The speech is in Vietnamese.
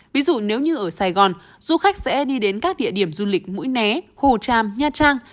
ví dụ nếu như ở sài gòn du khách sẽ đi đến các địa điểm du lịch mũi né hồ tràm nha trang